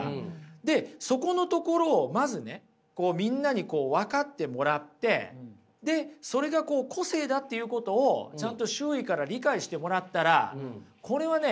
でそこのところをまずねみんなに分かってもらってでそれが個性だっていうことをちゃんと周囲から理解してもらったらこれはね